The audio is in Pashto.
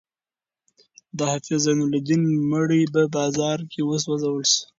د حافظ زین الدین مړی په بازار کې وسوځول شو.